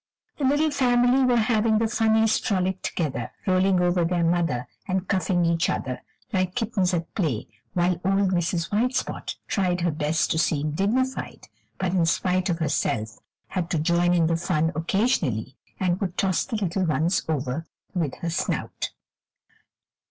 The little family were having the funniest frolic together, rolling over their mother and cuffing each other, like kittens at play, while old Mrs. White Spot tried her best to seem dignified, but in spite of herself had to join in the fun occasionally, and would toss the little ones over with her snout.